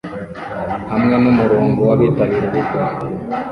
hamwe n'umurongo w'abitabira ubukwe